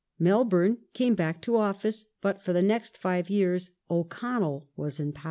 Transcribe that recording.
Melbourne came back to office, but for the next five years O'Connell was in power.